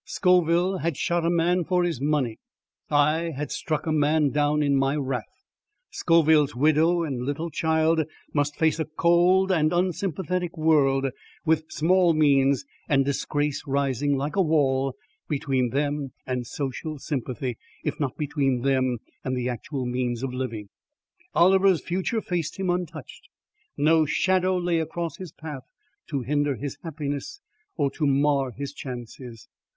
Scoville had shot a man for his money. I had struck a man down in my wrath. Scoville's widow and little child must face a cold and unsympathetic world, with small means and disgrace rising, like a wall, between them and social sympathy, if not between them and the actual means of living. Oliver's future faced him untouched. No shadow lay across his path to hinder his happiness or to mar his chances.